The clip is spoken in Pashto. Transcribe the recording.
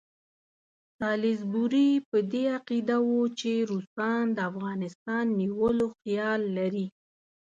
سالیزبوري په دې عقیده وو چې روسان د افغانستان نیولو خیال لري.